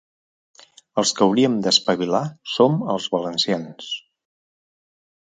Els que hauríem d'espavilar som els valencians.